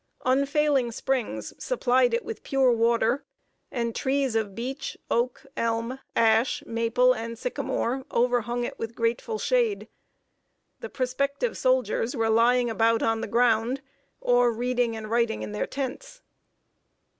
Unfailing springs supplied it with pure water, and trees of beech, oak, elm, ash, maple, and sycamore, overhung it with grateful shade. The prospective soldiers were lying about on the ground, or reading and writing in their tents.